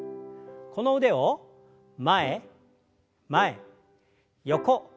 この腕を前前横横。